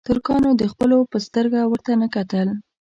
ترکانو د خپلو په سترګه ورته نه کتل.